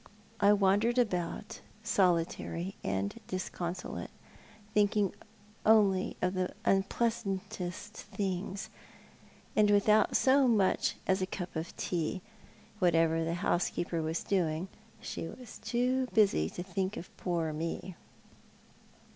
I wandered about, solitary and disconsolate, thinking of only the unpleasantest things, and without so much as a cup of tea. Whatever the housekeeper was doing, she was too busy to think of poor me.